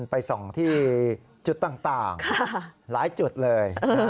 ไปส่องที่จุดต่างหลายจุดเลย